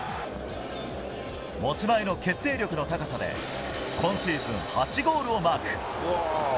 持ち前の決定力の高さで、今シーズン８ゴールをマーク。